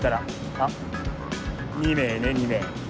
あっ２名ね２名。